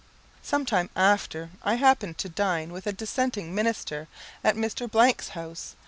Some time after I happened to dine with a dissenting minister at Mr. 's hous e.